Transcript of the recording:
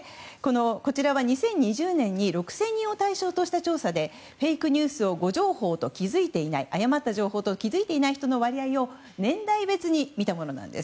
こちらは２０２０年に６０００人を対象とした調査でフェイクニュースを誤情報と気づいていない誤った情報と気づいていない人の割合を年代別に見たものです。